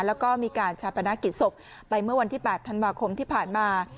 แล้วก็มีการชาปนกิจศพไปเมื่อวันที่๘ธันวาคมที่ผ่านมา